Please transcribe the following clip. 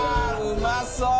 うまそう！